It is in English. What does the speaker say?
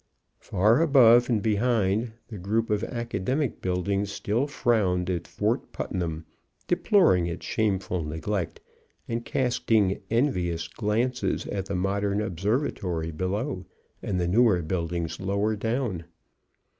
Far above and behind the group of academic buildings still frowned old Fort Putnam, deploring its shameful neglect, and casting envious glances at the modern Observatory below and the newer buildings lower down.